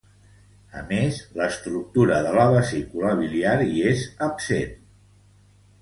A més, l'estructura de la vesícula biliar hi és absent.